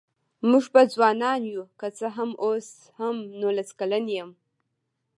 مونږ به ځوانان يوو که څه اوس هم نوولس کلن يم